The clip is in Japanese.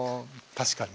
確かに。